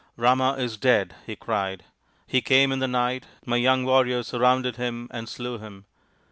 " Rama is dead/ 3 he cried. " He came in the night ; my young warriors surrounded him and slew him.